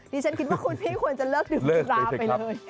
ดิฉันคิดว่าคุณพี่ควรจะเลิกดื่มสุราไปเลย